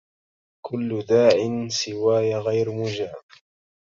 كل داع سواي غير مجاب